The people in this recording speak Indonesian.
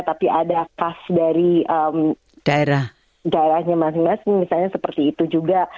tapi ada khas dari daerahnya masing masing misalnya seperti itu juga